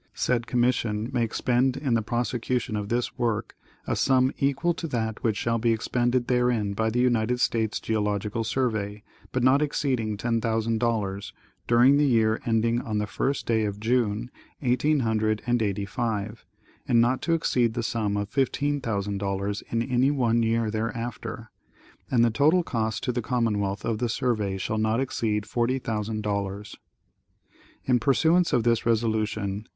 Said Commission may expend in the prosecution of this work a sum equal to that which shall be expended therein by the United States Geological Survey, but not exceeding ten thousand dollars, during the year ending on the first day of June, eighteen hundred and eighty five, and not to exceed the sum of fifteen thousand dollars in any one year thereafter, and the total cost to the Commonwealth of the survey shall not exceed forty thousand dollars. In pursuance of this resolution Gov.